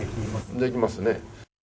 できますね。